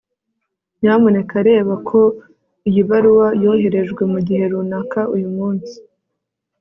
Nyamuneka reba ko iyi baruwa yoherejwe mugihe runaka uyumunsi